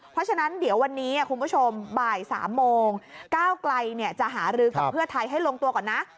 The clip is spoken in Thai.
เพราะฉะนั้นเดี๋ยววันนี้คุณผู้ชมบ่าย๓โมงก้าวไกลจะหารือกับเพื่อไทยให้ลงตัวก่อนนะ